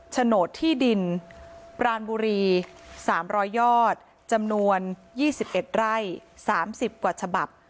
โฉนดที่ดินปรานบุรี๓๐๐ยอดจำนวน๒๑ไร่๓๐กว่าฉบับ